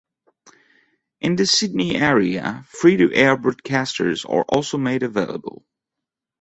In the Sydney area, Free To Air Broadcasters are also made available.